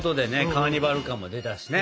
カーニバル感が出たしね。